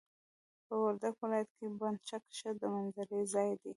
په وردګ ولايت کي بند چک ښه د منظرې ځاي دي.